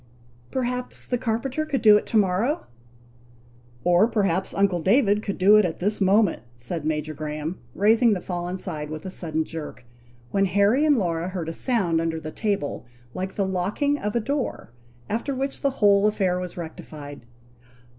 "Perhaps the carpenter could do it to morrow!" "Or, perhaps uncle David could do it this moment," said Major Graham, raising the fallen side with a sudden jerk, when Harry and Laura heard a sound under the table like the locking of a door, after which the whole affair was rectified.